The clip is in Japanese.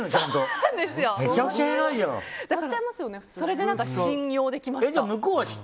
それで信用できました。